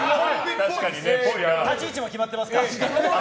立ち位置も決まってますから。